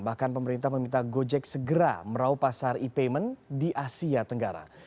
bahkan pemerintah meminta gojek segera merauh pasar e payment di asia tenggara